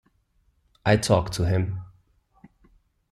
I talk to him.